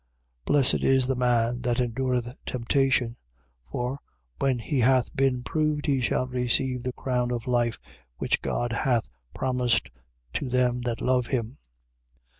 1:12. Blessed is the man that endureth temptation: for, when he hath been proved, he shall receive the crown of life which God hath promised to them that love him.